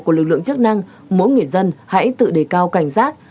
của lực lượng chức năng mỗi người dân hãy tự đề cao cảnh giác